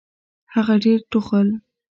هغه ډېر ټوخل .